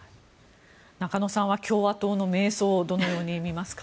中野さんは共和党の迷走をどのように見ますか？